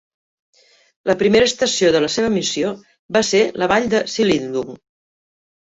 La primera estació de la seva missió va ser la vall de Silindung.